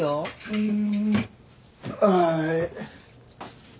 うん。